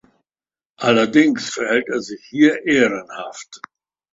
Allerdings verhält er sich hier ehrenhaft.